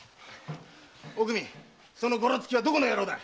おくみそのゴロツキはどこの野郎だ？